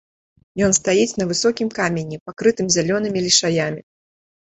Ён стаіць на высокім камені, пакрытым зялёнымі лішаямі.